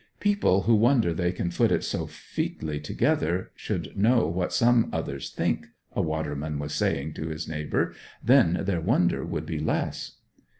'People who wonder they can foot it so featly together should know what some others think,' a waterman was saying to his neighbour. 'Then their wonder would be less.'